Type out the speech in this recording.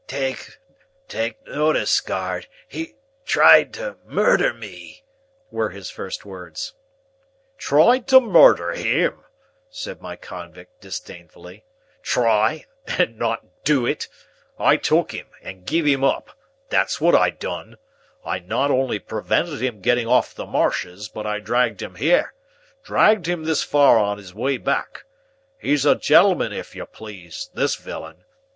"Take notice, guard,—he tried to murder me," were his first words. "Tried to murder him?" said my convict, disdainfully. "Try, and not do it? I took him, and giv' him up; that's what I done. I not only prevented him getting off the marshes, but I dragged him here,—dragged him this far on his way back. He's a gentleman, if you please, this villain.